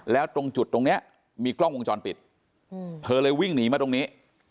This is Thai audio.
แล้วตรงจุดตรงนี้มีกล้องวงจรปิดเธอเลยวิ่งหนีมาตรงนี้